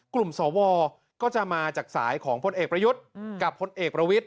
สวก็จะมาจากสายของพลเอกประยุทธ์กับพลเอกประวิทธิ